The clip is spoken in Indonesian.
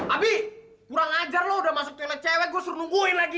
abi kurang ajar lo udah masuk toilet cewek gue suruh nungguin lagi